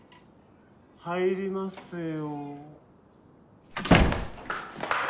入りますよ。